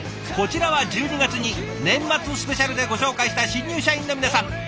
こちらは１２月に「年末スペシャル」でご紹介した新入社員の皆さん。